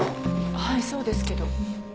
はいそうですけど。